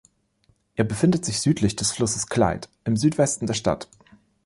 Er befindet sich südlich des Flusses Clyde, im Südwesten der Stadt.